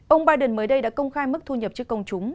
ông biden mới đây đã công khai mức thu nhập trước công chúng